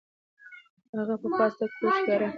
هغه په پاسته کوچ کې ارام کاوه.